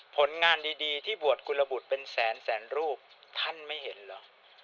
ผลงานดีที่บวชกุลบุตรเป็นแสนแสนรูปท่านไม่เห็นเหรอ